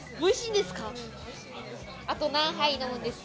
あと何杯飲むんですか？